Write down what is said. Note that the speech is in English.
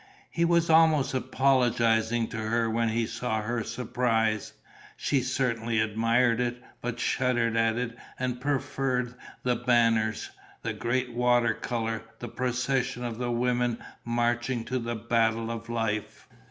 He was almost apologizing to her when he saw her surprise. She certainly admired it, but shuddered at it and preferred The Banners, the great water colour, the procession of the women marching to the battle of life.